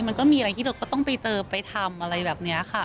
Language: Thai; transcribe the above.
มันก็มีอะไรที่เราก็ต้องไปเจอไปทำอะไรแบบนี้ค่ะ